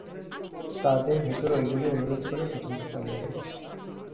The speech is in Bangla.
তাদের ভেতর ঐগুলি অনুরোধ করে প্রথমটা চালিয়ে দেব।